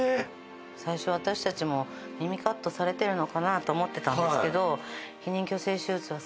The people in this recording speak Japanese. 最初私たちも耳カットされてるのかなと思ってたんですけど。